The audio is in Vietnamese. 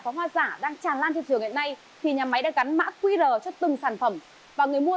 pháo hoa giả đang tràn lan trên trường hiện nay thì nhà máy đã gắn mã qr cho từng sản phẩm và người mua